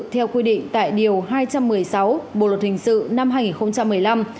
theo quy định tại điều hai trăm một mươi sáu bộ luật hình sự năm hai nghìn một mươi năm